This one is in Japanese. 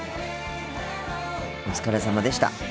お疲れさまでした。